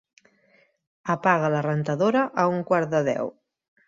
Apaga la rentadora a un quart de deu.